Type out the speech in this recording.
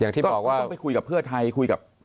อย่างที่บอกไปคุยกับเพื่อไทย